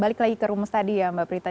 balik lagi ke rumus tadi ya mbak prita